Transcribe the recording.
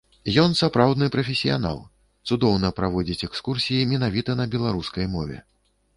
Ён сапраўдны прафесіянал, цудоўна праводзіць экскурсіі менавіта на беларускай мове.